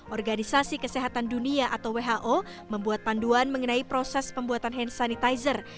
organisasi kesehatan dunia atau who membuat panduan mengenai proses pembuatan hand sanitizer